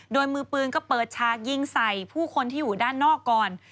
โดยมือปืนก็เปิดฉากยิงใส่ผู้คนที่อยู่ด้านนอกก่อน